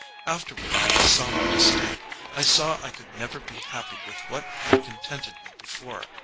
Afterward I saw my mistake—I saw I could never be happy with what had contented me before.